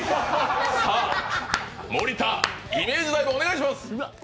さあ盛田、イメージダイブお願いします！